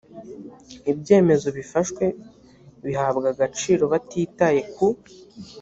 ibyemezo bifashwe bihabwa agaciro batitaye ku